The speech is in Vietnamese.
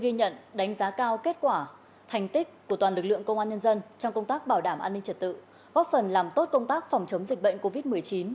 ghi nhận đánh giá cao kết quả thành tích của toàn lực lượng công an nhân dân trong công tác bảo đảm an ninh trật tự góp phần làm tốt công tác phòng chống dịch bệnh covid một mươi chín